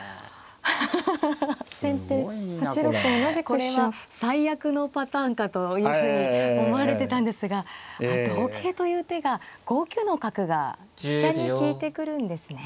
これは最悪のパターンかというふうに思われてたんですが同桂という手が５九の角が飛車に利いてくるんですね。